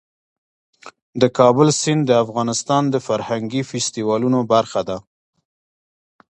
د کابل سیند د افغانستان د فرهنګي فستیوالونو برخه ده.